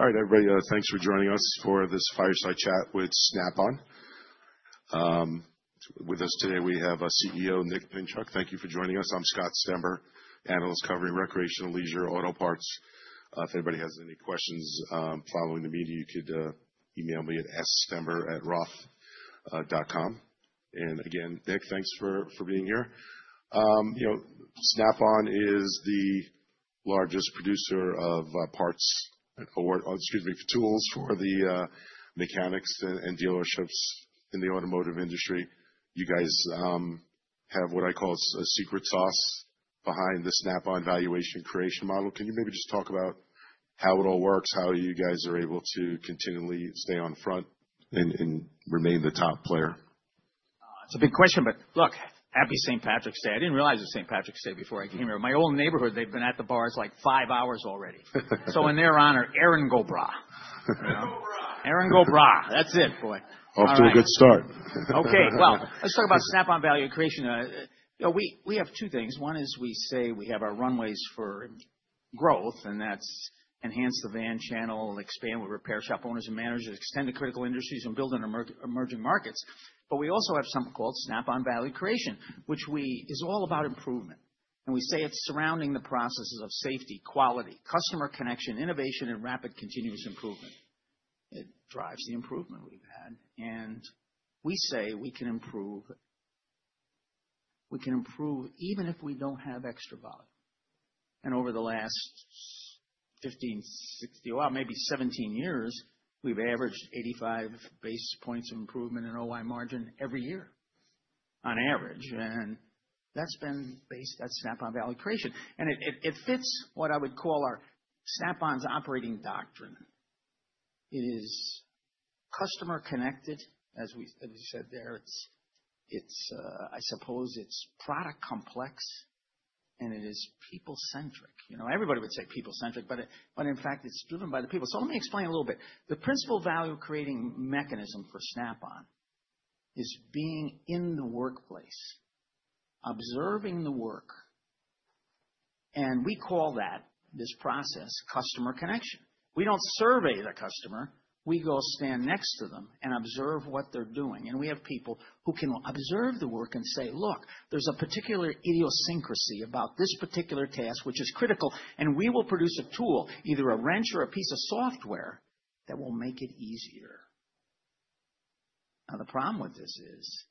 All right, everybody, thanks for joining us for this fireside chat with Snap-on. With us today, we have CEO Nick Pinchuk. Thank you for joining us. I'm Scott Stember, Analyst covering recreational leisure auto parts. If anybody has any questions following the meeting, you could email me at sstember@roth.com. Again, Nick, thanks for being here. Snap-on is the largest producer of parts, or excuse me, tools for the mechanics and dealerships in the automotive industry. You guys have what I call a secret sauce behind the Snap-on Valuation Creation model. Can you maybe just talk about how it all works, how you guys are able to continually stay on front and remain the top player? It's a big question, but look, happy St. Patrick's Day. I didn't realize it was St. Patrick's Day before I came here. My old neighborhood, they've been at the bars like five hours already. In their honor, Erin Go Bragh. Erin Go Bragh. That's it, boy. Off to a good start. Okay, let's talk about Snap-on Value Creation. We have two things. One is we say we have our runways for growth, and that's enhance the van channel, expand with repair shop owners and managers, extend to critical industries, and build on emerging markets. We also have something called Snap-on Value Creation, which is all about improvement. We say it's surrounding the processes of safety, quality, customer connection, innovation, and Rapid Continuous Improvement. It drives the improvement we've had. We say we can improve, we can improve even if we don't have extra value. Over the last 15, 60, well, maybe 17 years, we've averaged 85 basis points of improvement in OI margin every year on average. That's been based at Snap-on Value Creation. It fits what I would call our Snap-on's operating doctrine. It is customer connected, as we said there. I suppose it's product complex, and it is people-centric. Everybody would say people-centric, but in fact, it's driven by the people. Let me explain a little bit. The principal value creating mechanism for Snap-on is being in the workplace, observing the work. We call that this process customer connection. We don't survey the customer. We go stand next to them and observe what they're doing. We have people who can observe the work and say, "Look, there's a particular idiosyncrasy about this particular task, which is critical, and we will produce a tool, either a wrench or a piece of software that will make it easier." The problem with this is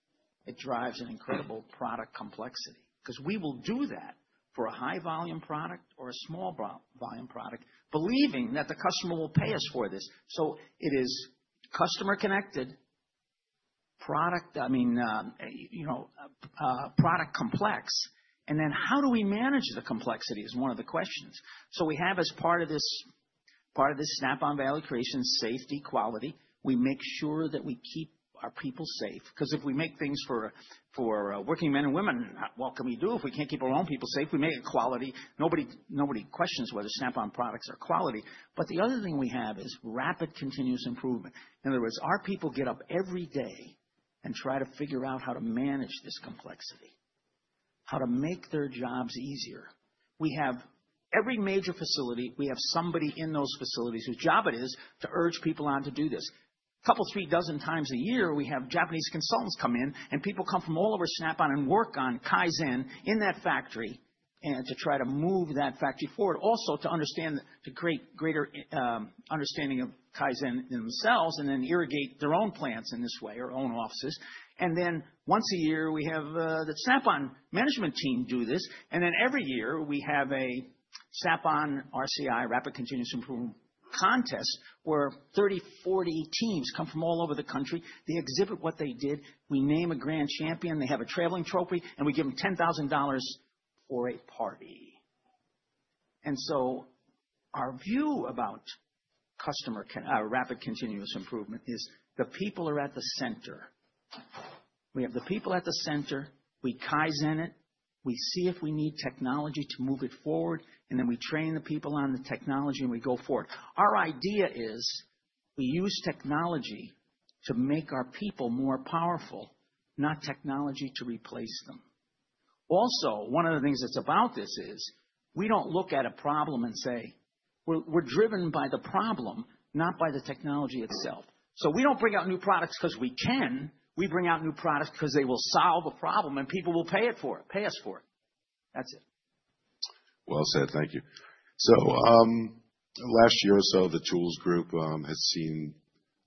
it drives an incredible product complexity because we will do that for a high-volume product or a small-volume product, believing that the customer will pay us for this. It is customer connected, product, I mean, product complex. And then how do we manage the complexity is one of the questions. We have as part of this Snap-on Value Creation, safety, quality, we make sure that we keep our people safe. Because if we make things for working men and women, what can we do if we can't keep our own people safe? We make it quality. Nobody questions whether Snap-on products are quality. The other thing we have is rapid continuous improvement. In other words, our people get up every day and try to figure out how to manage this complexity, how to make their jobs easier. We have every major facility, we have somebody in those facilities whose job it is to urge people on to do this. A couple of three dozen times a year, we have Japanese consultants come in, and people come from all over Snap-on and work on Kaizen in that factory to try to move that factory forward. Also to understand, to create greater understanding of Kaizen themselves and then irrigate their own plants in this way, or own offices. Once a year, we have the Snap-on management team do this. Every year, we have a Snap-on RCI, rapid continuous improvement contest, where 30-40 teams come from all over the country. They exhibit what they did. We name a grand champion. They have a traveling trophy, and we give them $10,000 for a party. Our view about customer rapid continuous improvement is the people are at the center. We have the people at the center. We Kaizen it. We see if we need technology to move it forward, and then we train the people on the technology and we go forward. Our idea is we use technology to make our people more powerful, not technology to replace them. Also, one of the things that's about this is we don't look at a problem and say, "We're driven by the problem, not by the technology itself." We don't bring out new products because we can. We bring out new products because they will solve a problem and people will pay us for it. That's it. Thank you. Last year or so, the Tools Group has seen,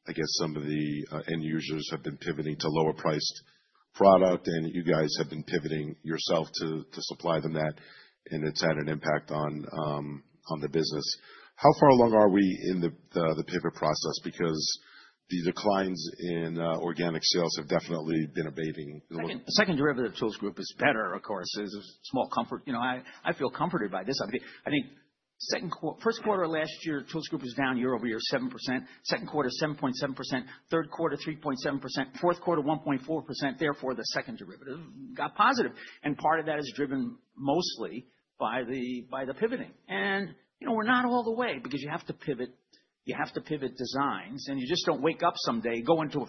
I guess, some of the end users have been pivoting to lower-priced product, and you guys have been pivoting yourself to supply them that, and it's had an impact on the business. How far along are we in the pivot process? Because the declines in organic sales have definitely been abating. The second derivative Tools Group is better, of course, is small comfort. I feel comforted by this. I think first quarter last year, Tools Group was down year-over-year 7%. Second quarter, 7.7%. Third quarter, 3.7%. Fourth quarter, 1.4%. Therefore, the second derivative got positive. Part of that is driven mostly by the pivoting. We are not all the way because you have to pivot, you have to pivot designs, and you just do not wake up someday, go into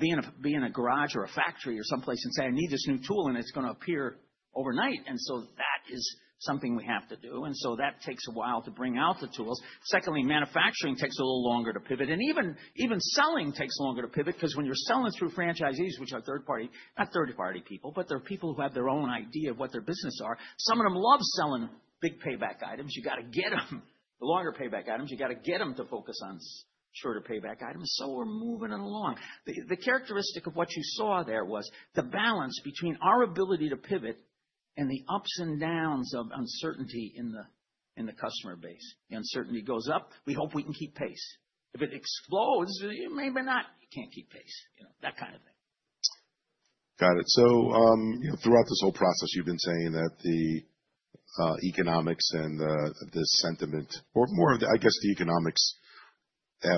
being a garage or a factory or someplace and say, "I need this new tool," and it is going to appear overnight. That is something we have to do. That takes a while to bring out the tools. Secondly, manufacturing takes a little longer to pivot. Even selling takes longer to pivot because when you're selling through franchisees, which are not third party people, but they're people who have their own idea of what their business is. Some of them love selling big payback items. You have to get them, the longer payback items. You have to get them to focus on shorter payback items. We are moving it along. The characteristic of what you saw there was the balance between our ability to pivot and the ups and downs of uncertainty in the customer base. The uncertainty goes up. We hope we can keep pace. If it explodes, maybe not. You cannot keep pace. That kind of thing. Got it. Throughout this whole process, you've been saying that the economics and the sentiment, or more of, I guess, the economics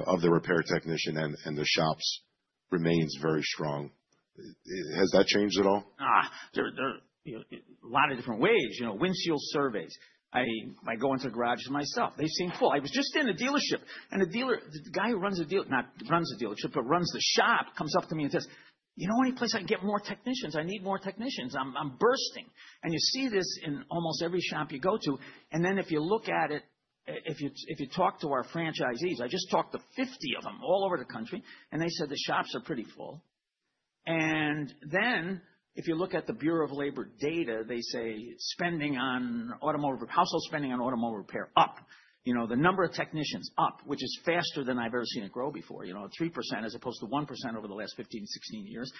of the repair technician and the shops remains very strong. Has that changed at all? A lot of different ways. Windshield surveys. I go into garages myself. They seem full. I was just in a dealership, and the guy who runs the shop comes up to me and says, "You know any place I can get more technicians? I need more technicians. I'm bursting." You see this in almost every shop you go to. If you talk to our franchisees, I just talked to 50 of them all over the country, and they said the shops are pretty full. If you look at the Bureau of Labor Statistics data, they say spending on automotive repair, household spending on automotive repair up. The number of technicians up, which is faster than I've ever seen it grow before, 3% as opposed to 1% over the last 15, 16 years.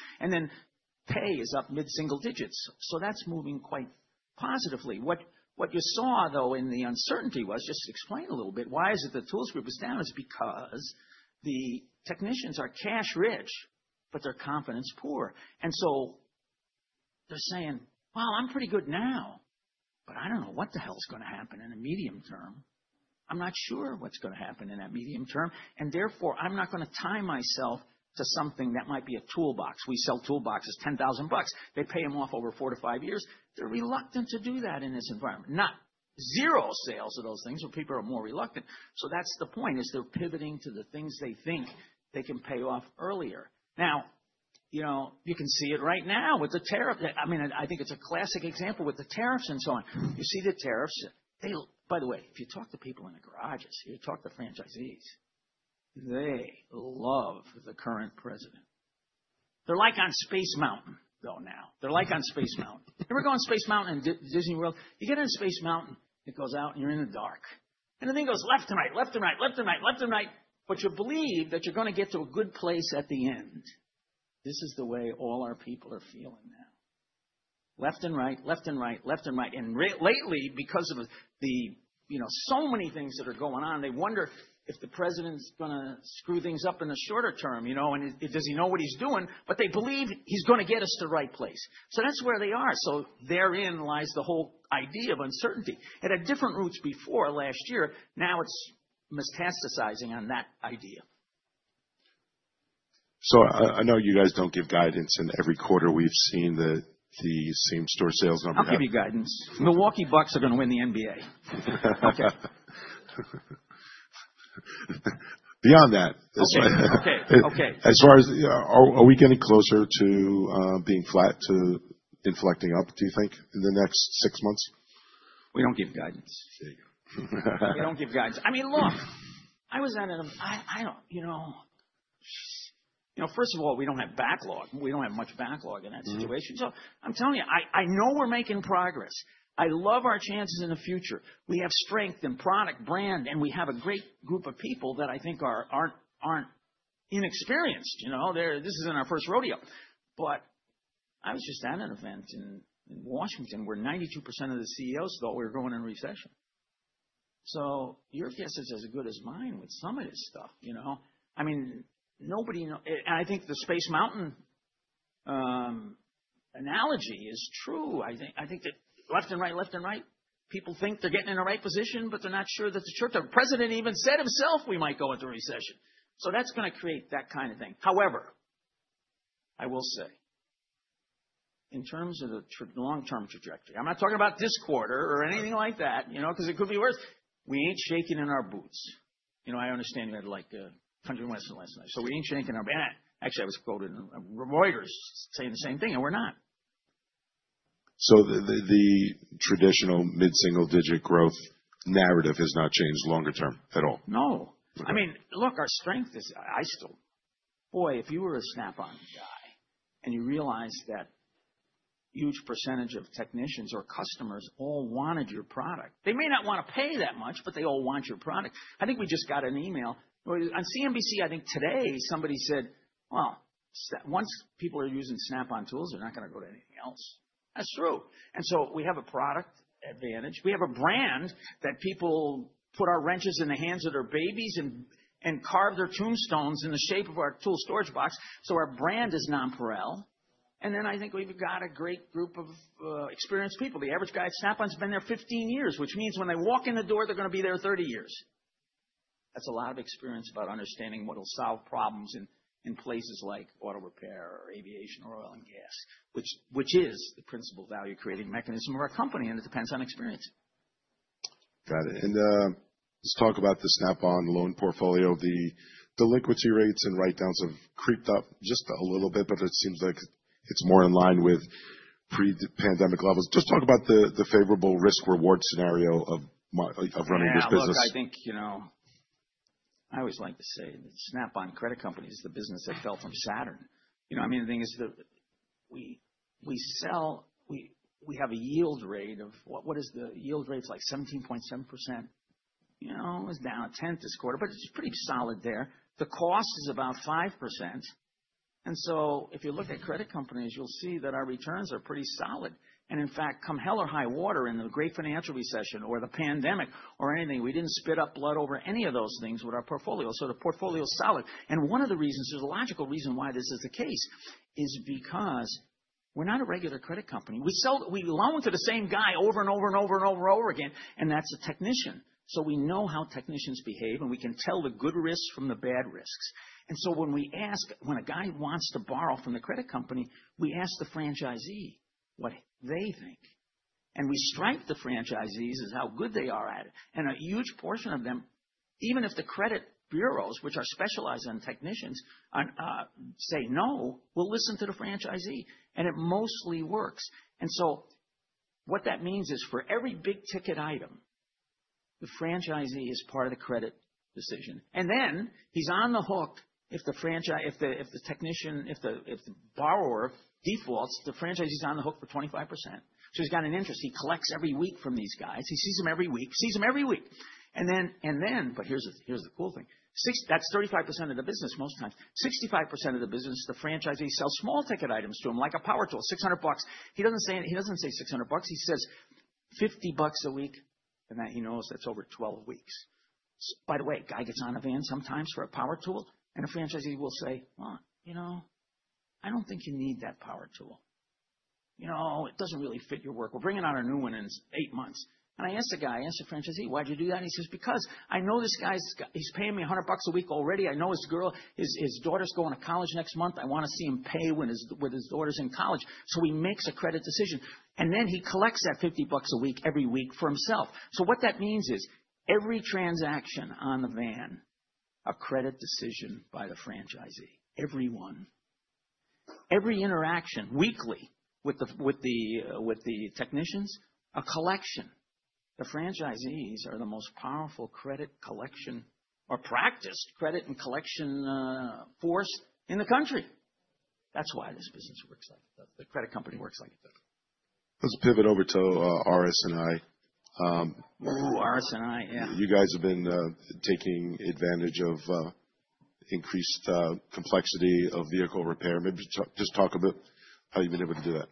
Pay is up mid-single digits. That's moving quite positively. What you saw in the uncertainty was, just explain a little bit, why is it the tools group is down? It's because the technicians are cash rich, but their confidence poor. They're saying, "I'm pretty good now, but I don't know what the hell is going to happen in the medium term. I'm not sure what's going to happen in that medium term. Therefore, I'm not going to tie myself to something that might be a toolbox. We sell toolboxes $10,000. They pay them off over four to five years." They're reluctant to do that in this environment. Not zero sales of those things, but people are more reluctant. That's the point, they're pivoting to the things they think they can pay off earlier. I mean, you can see it right now with the tariff. I think it's a classic example with the tariffs and so on. You see the tariffs. By the way, if you talk to people in the garages, you talk to franchisees, they love the current president. They're like on Space Mountain now. They're like on Space Mountain. Ever go on Space Mountain at Disney World? You get on Space Mountain, it goes out and you're in the dark. The thing goes left and right, left and right, left and right, left and right, but you believe that you're going to get to a good place at the end. This is the way all our people are feeling now. Left and right, left and right, left and right. Lately, because of so many things that are going on, they wonder if the president's going to screw things up in the shorter term, and does he know what he's doing? They believe he's going to get us to the right place. That is where they are. Therein lies the whole idea of uncertainty. It had different roots before last year. Now it's metastasizing on that idea. I know you guys don't give guidance, and every quarter we've seen the same store sales number. I'll give you guidance. Milwaukee Bucks are going to win the NBA. Okay. Beyond that. Okay. Okay. As far as are we getting closer to being flat to inflecting up, do you think, in the next six months? We don't give guidance. There you go. We don't give guidance. I mean, look, I was at an, you know, first of all, we don't have backlog. We don't have much backlog in that situation. I am telling you, I know we're making progress. I love our chances in the future. We have strength in product brand, and we have a great group of people that I think aren't inexperienced. This isn't our first rodeo. I was just at an event in Washington where 92% of the CEOs thought we were going in recession. Your guess is as good as mine with some of this stuff. I mean, nobody, and I think the Space Mountain analogy is true. I think that left and right, left and right, people think they're getting in the right position, but they're not sure that the church, the president even said himself we might go into recession. That's going to create that kind of thing. However, I will say, in terms of the long-term trajectory, I'm not talking about this quarter or anything like that, because it could be worse. We ain't shaking in our boots. I understand you had like Country and Western last night. So we ain't shaking in our boots. Actually, I was quoted in Reuters saying the same thing, and we're not. The traditional mid-single digit growth narrative has not changed longer term at all. No. I mean, look, our strength is I still, boy, if you were a Snap-on guy and you realized that huge percentage of technicians or customers all wanted your product, they may not want to pay that much, but they all want your product. I think we just got an email on CNBC, I think today somebody said, "Well, once people are using Snap-on tools, they're not going to go to anything else." That's true. We have a product advantage. We have a brand that people put our wrenches in the hands of their babies and carve their tombstones in the shape of our tool storage box. Our brand is non-pareil. I think we've got a great group of experienced people. The average guy at Snap-on's been there 15 years, which means when they walk in the door, they're going to be there 30 years. That's a lot of experience about understanding what will solve problems in places like auto repair or aviation or oil and gas, which is the principal value creating mechanism of our company. It depends on experience. Got it. Let's talk about the Snap-on loan portfolio. The liquidity rates and write-downs have creeped up just a little bit, but it seems like it's more in line with pre-pandemic levels. Just talk about the favorable risk-reward scenario of running this business. I think, you know, I always like to say that Snap-on Credit company is the business that fell from Saturn. You know, I mean, the thing is we sell, we have a yield rate of, what is the yield rate? It's like 17.7%. It was down a tenth this quarter, but it's pretty solid there. The cost is about 5%. If you look at credit companies, you'll see that our returns are pretty solid. In fact, come hell or high water in the Great Financial Recession or the pandemic or anything, we didn't spit up blood over any of those things with our portfolio. The portfolio is solid. One of the reasons, there's a logical reason why this is the case, is because we're not a regular credit company. We loan to the same guy over and over and over again, and that's a technician. We know how technicians behave, and we can tell the good risks from the bad risks. When a guy wants to borrow from the credit company, we ask the franchisee what they think. We strike the franchisees as how good they are at it. A huge portion of them, even if the credit bureaus, which are specialized on technicians, say no, we will listen to the franchisee. It mostly works. What that means is for every big ticket item, the franchisee is part of the credit decision. He is on the hook if the technician, if the borrower defaults, the franchisee is on the hook for 25%. He has an interest. He collects every week from these guys. He sees them every week, sees them every week. Here's the cool thing. That's 35% of the business most times. 65% of the business, the franchisee sells small ticket items to him like a power tool, $600. He doesn't say $600. He says $50 a week, and he knows that's over 12 weeks. By the way, a guy gets on a van sometimes for a power tool, and a franchisee will say, "You know, I don't think you need that power tool. You know, it doesn't really fit your work. We'll bring in our new one in eight months." I asked the guy, I asked the franchisee, "Why'd you do that?" He says, "Because I know this guy's paying me $100 a week already. I know his daughter's going to college next month. I want to see him pay when his daughter's in college." He makes a credit decision, and then he collects that $50 a week every week for himself. What that means is every transaction on the van, a credit decision by the franchisee. Everyone. Every interaction weekly with the technicians, a collection. The franchisees are the most powerful credit collection or practiced credit and collection force in the country. That's why this business works like it does. The credit company works like it does. Let's pivot over to RS&I. Ooh, RS&I, yeah. You guys have been taking advantage of increased complexity of vehicle repair. Maybe just talk about how you've been able to do that.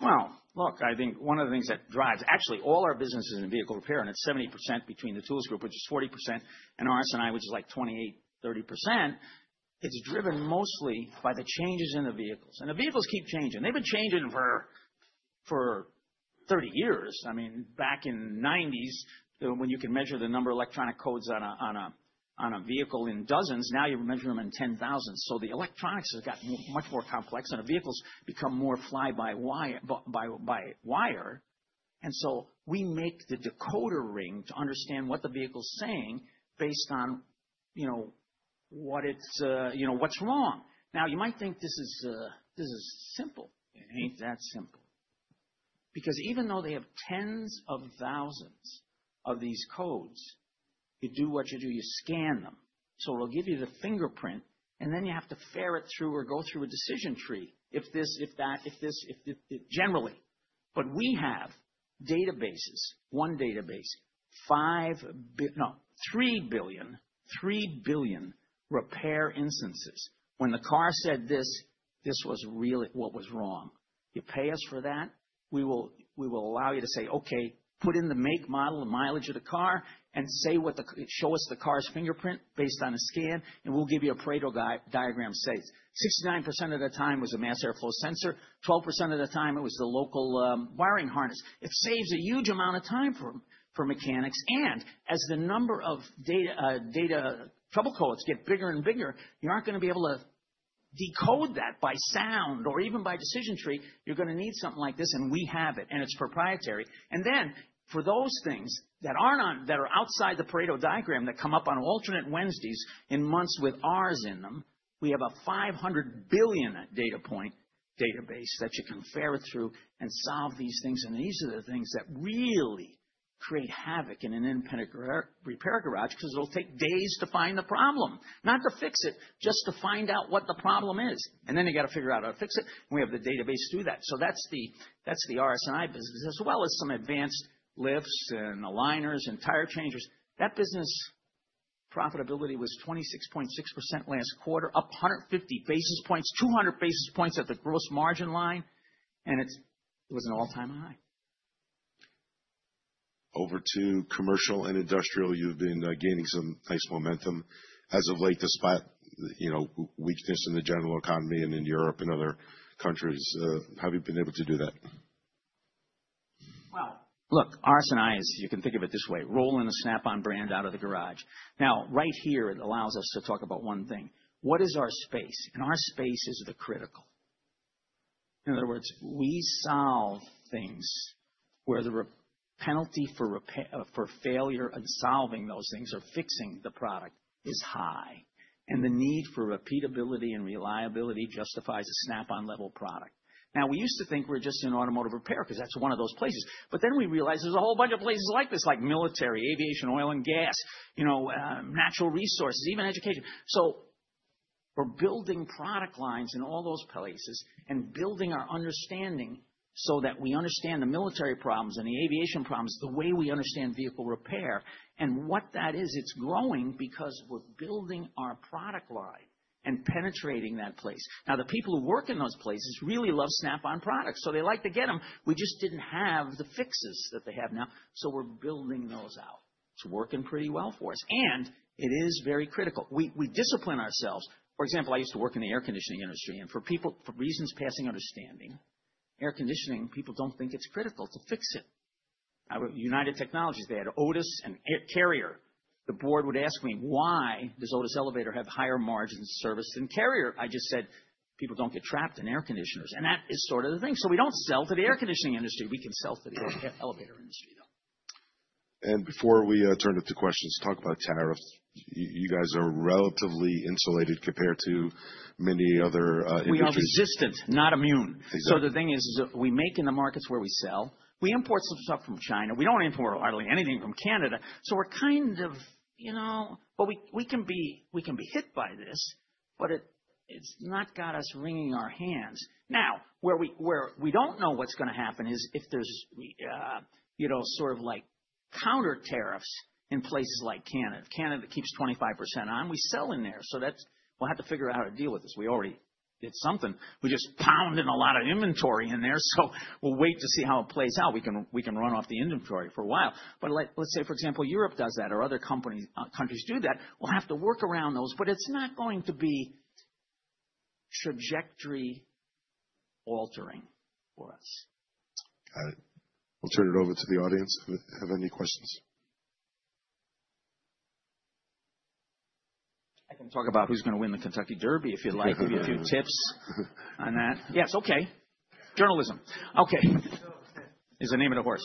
I think one of the things that drives, actually all our businesses in vehicle repair, and it's 70% between the tools group, which is 40%, and RS&I, which is like 28%, 30%, it's driven mostly by the changes in the vehicles. The vehicles keep changing. They've been changing for 30 years. I mean, back in the 1990s, when you can measure the number of electronic codes on a vehicle in dozens, now you measure them in 10,000. The electronics have gotten much more complex, and the vehicles become more fly-by-wire. We make the decoder ring to understand what the vehicle's saying based on what's wrong. You might think this is simple. It ain't that simple. Because even though they have tens of thousands of these codes, you do what you do, you scan them. It will give you the fingerprint, and then you have to fare it through or go through a decision tree, if this, if that, if this, generally. We have databases, one database, five billion, no, three billion, three billion repair instances. When the car said this, this was really what was wrong. You pay us for that, we will allow you to say, "Okay, put in the make, model, and mileage of the car and show us the car's fingerprint based on a scan, and we'll give you a Pareto diagram saves." 69% of the time it was a mass airflow sensor. 12% of the time it was the local wiring harness. It saves a huge amount of time for mechanics. As the number of data trouble codes get bigger and bigger, you aren't going to be able to decode that by sound or even by decision tree. You're going to need something like this, and we have it, and it's proprietary. For those things that are outside the Pareto diagram that come up on alternate Wednesdays in months with R's in them, we have a 500 billion data point database that you can fare through and solve these things. These are the things that really create havoc in an independent repair garage because it'll take days to find the problem. Not to fix it, just to find out what the problem is. You got to figure out how to fix it. We have the database to do that. That's the RS&I business, as well as some advanced lifts and aligners and tire changers. That business profitability was 26.6% last quarter, up 150 basis points, 200 basis points at the gross margin line. It was an all-time high. Over to Commercial & Industrial. You've been gaining some nice momentum as of late, despite weakness in the general economy and in Europe and other countries. How have you been able to do that? RS&I is, you can think of it this way, rolling the Snap-on brand out of the garage. Now, right here, it allows us to talk about one thing. What is our space? Our space is the critical. In other words, we solve things where the penalty for failure in solving those things or fixing the product is high. The need for repeatability and reliability justifies a Snap-on level product. We used to think we're just in automotive repair because that's one of those places. Then we realized there's a whole bunch of places like this, like military, aviation, oil and gas, you know, natural resources, even education. We're building product lines in all those places and building our understanding so that we understand the military problems and the aviation problems the way we understand vehicle repair. What that is, it's growing because we're building our product line and penetrating that place. Now, the people who work in those places really love Snap-on products. They like to get them. We just didn't have the fixes that they have now. We're building those out. It's working pretty well for us. It is very critical. We discipline ourselves. For example, I used to work in the air conditioning industry. For reasons passing understanding, air conditioning people don't think it's critical to fix it. United Technologies, they had Otis and Carrier. The board would ask me, "Why does Otis Elevator have higher margin service than Carrier?" I just said, "People don't get trapped in air conditioners." That is sort of the thing. We don't sell to the air conditioning industry. We can sell to the elevator industry, though. Before we turn to questions, talk about tariffs. You guys are relatively insulated compared to many other industries. We are resistant, not immune. The thing is, we make in the markets where we sell. We import some stuff from China. We do not import hardly anything from Canada. We are kind of, you know, but we can be hit by this, but it has not got us wringing our hands. Now, where we do not know what is going to happen is if there is, you know, sort of like counter tariffs in places like Canada. Canada keeps 25% on. We sell in there. We will have to figure out how to deal with this. We already did something. We just pound in a lot of inventory in there. We will wait to see how it plays out. We can run off the inventory for a while. For example, if Europe does that or other countries do that, we will have to work around those. It is not going to be trajectory altering for us. Got it. We'll turn it over to the audience. Have any questions? I can talk about who's going to win the Kentucky Derby if you'd like to give you a few tips on that. Yes, okay. Journalism. Okay. Is the name of the horse.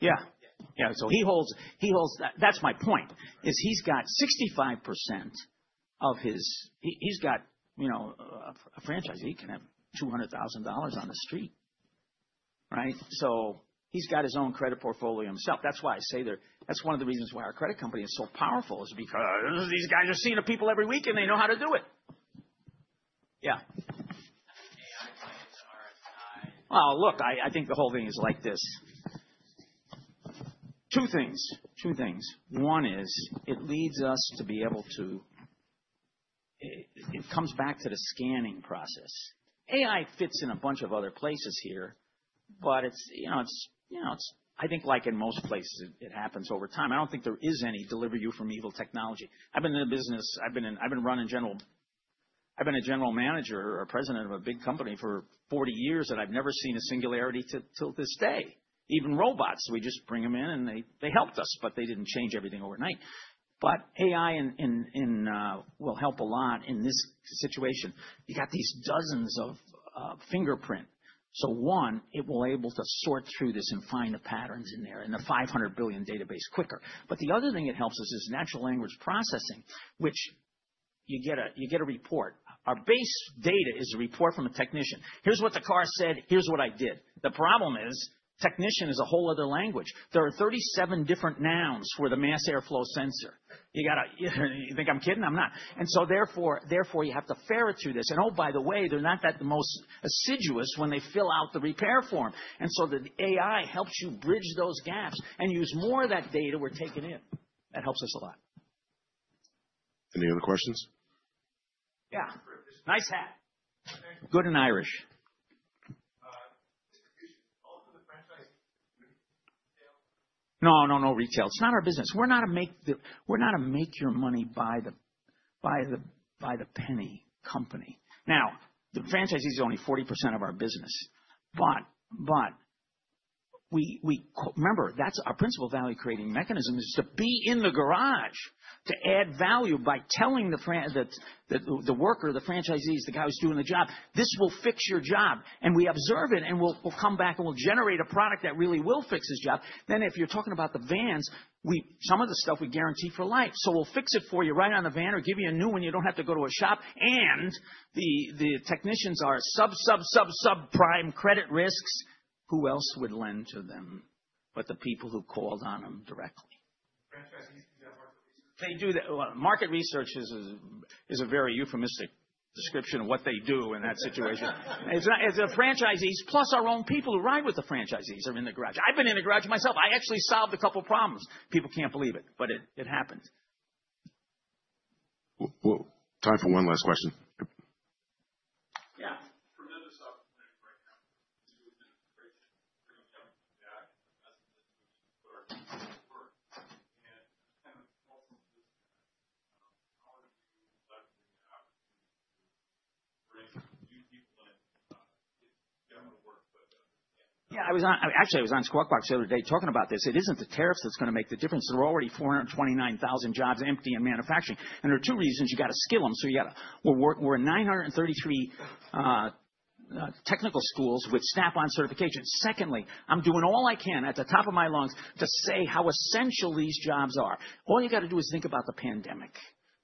Yeah. Yeah. He holds, that's my point, is he's got 65% of his, he's got, you know, a franchisee, he can have $200,000 on the street, right? He's got his own credit portfolio himself. That's why I say that's one of the reasons why our credit company is so powerful is because these guys are seeing the people every week and they know how to do it. Yeah. I think the whole thing is like this. Two things, two things. One is it leads us to be able to, it comes back to the scanning process. AI fits in a bunch of other places here, but it's, you know, it's, you know, it's, I think like in most places, it happens over time. I don't think there is any deliver you from evil technology. I've been in the business, I've been running general, I've been a general manager or president of a big company for 40 years, and I've never seen a singularity till this day. Even robots, we just bring them in and they helped us, but they didn't change everything overnight. AI will help a lot in this situation. You got these dozens of fingerprint. One, it will be able to sort through this and find the patterns in there in the 500 billion database quicker. The other thing it helps us is natural language processing, which you get a report. Our base data is a report from a technician. Here's what the car said, here's what I did. The problem is technician is a whole other language. There are 37 different nouns for the mass airflow sensor. You think I'm kidding? I'm not. Therefore, you have to fare it through this. Oh, by the way, they're not the most assiduous when they fill out the repair form. The AI helps you bridge those gaps and use more of that data we're taking in. That helps us a lot. Any other questions? Yeah. Nice hat. Good in Irish. No, no, no, retail. It's not our business. We're not a make your money by the penny company. Now, the franchisee is only 40% of our business. Remember, that's our principal value creating mechanism, to be in the garage, to add value by telling the worker, the franchisee, the guy who's doing the job, this will fix your job. We observe it and we'll come back and we'll generate a product that really will fix his job. If you're talking about the vans, some of the stuff we guarantee for life. We'll fix it for you right on the van or give you a new one, you don't have to go to a shop. The technicians are sub, sub, sub, sub prime credit risks. Who else would lend to them but the people who called on them directly? They do. Market research is a very euphemistic description of what they do in that situation. It's the franchisees plus our own people who ride with the franchisees are in the garage. I've been in the garage myself. I actually solved a couple of problems. People can't believe it, but it happened. Time for one last question. Yeah, I was on, actually I was on Squawk Box the other day talking about this. It isn't the tariffs that's going to make the difference. There were already 429,000 jobs empty in manufacturing. And there are two reasons you got to skill them. So you got to, we're 933 technical schools with Snap-on certification. Secondly, I'm doing all I can at the top of my lungs to say how essential these jobs are. All you got to do is think about the pandemic.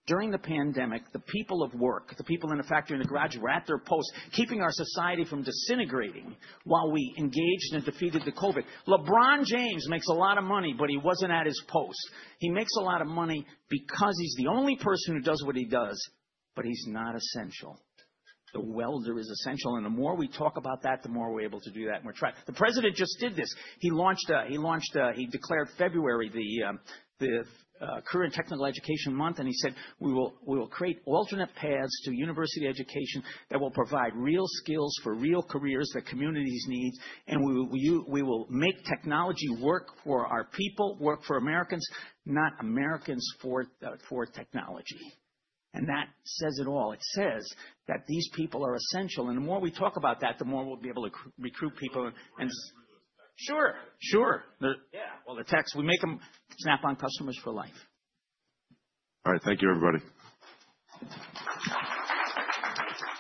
During the pandemic, the people at work, the people in the factory in the garage were at their posts keeping our society from disintegrating while we engaged and defeated the COVID. LeBron James makes a lot of money, but he wasn't at his post. He makes a lot of money because he's the only person who does what he does, but he's not essential. The welder is essential. The more we talk about that, the more we're able to do that. The President just did this. He declared February the Career and Technical Education Month, and he said, "We will create alternate paths to university education that will provide real skills for real careers that communities need. We will make technology work for our people, work for Americans, not Americans for technology." That says it all. It says that these people are essential. The more we talk about that, the more we'll be able to recruit people. Sure. Sure. Yeah, well, the techs, we make them Snap-on customers for life. All right, thank you, everybody.